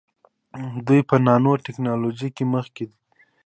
دوی په نانو ټیکنالوژۍ کې مخکې دي.